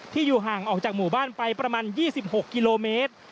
อยู่ห่างออกจากหมู่บ้านไปประมาณ๒๖กิโลเมตร